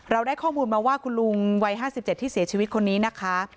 ได้ข้อมูลมาว่าคุณลุงวัย๕๗ที่เสียชีวิตคนนี้นะคะ